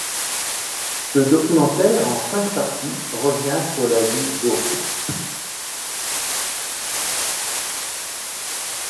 Ce documentaire en cinq parties revient sur la vie d'O.